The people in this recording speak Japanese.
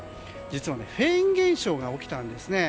実はフェーン現象が起きたんです。